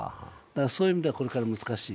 そういう意味ではこれから難しい。